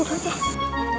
ustaz lu sana bencana